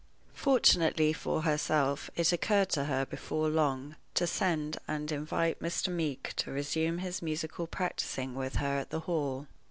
Fortunately for herself, it occurred to her, before long, to send and invite Mr. Meeke to resume his musical practicing with her at the Hall.